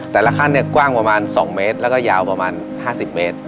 แต่ละขั้นกว้างประมาณ๒เมตรและยาวประมาณ๕๐เมตร